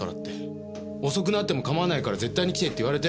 遅くなっても構わないから絶対に来てって言われて。